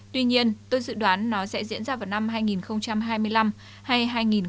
tuy nhiên tôi dự đoán nó sẽ diễn ra vào năm hai nghìn hai mươi năm hay hai nghìn hai mươi năm